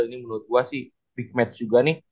ini menurut gue sih big match juga nih